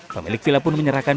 pemilik vila pun menyerahkan